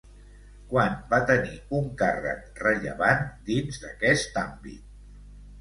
Quan va tenir un càrrec rellevant dins d'aquest àmbit?